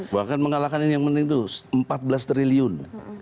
bahkan mengalahkan ini yang penting itu empat belas triliun